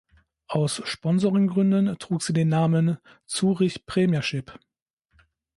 Aus Sponsoringgründen trug sie den Namen "Zurich Premiership".